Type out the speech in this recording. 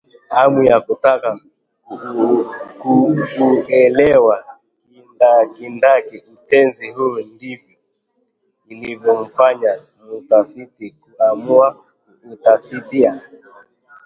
Hamu ya kutaka kuuelewa kindakindaki utenzi huu ndiyo iliyomfanya mtafiti kuamua kuutafitia